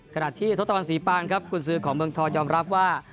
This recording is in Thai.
ขณะที่ทศตวรรษีปานครับกุญสือของเมืองทองยอมรับว่า